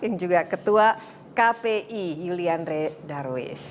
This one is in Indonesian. yang juga ketua kpi yulianre darwis